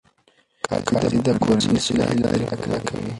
قاضي د کورني صلحې لارې پیدا کوي.